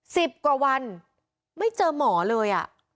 สิบกว่าวันไม่เจอหมอเลยอ่ะ